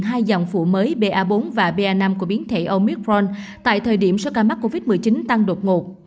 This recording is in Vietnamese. hai dòng phụ mới ba bốn và ba năm của biến thể omicron tại thời điểm số ca mắc covid một mươi chín tăng đột ngột